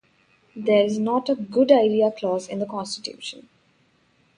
There is not a "good idea" clause in the Constitution.